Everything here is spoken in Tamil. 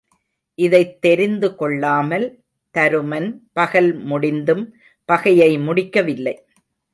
இதைத் தெரிந்து கொள்ளாமல் தருமன் பகல் முடிந்தும் பகையை முடிக்க வில்லை.